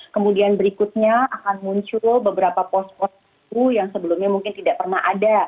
kemudian berikutnya akan muncul beberapa pos pos yang sebelumnya mungkin tidak pernah ada